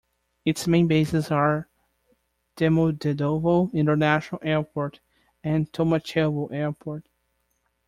Its main bases are Domodedovo International Airport and Tolmachevo Airport.